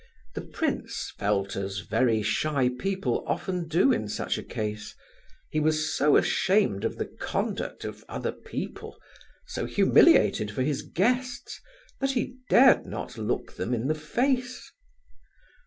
The prince felt as very shy people often do in such a case; he was so ashamed of the conduct of other people, so humiliated for his guests, that he dared not look them in the face.